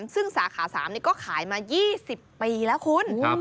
ซึ่งสาขา๓ก็ขายมา๒๐ปีแล้วคุณ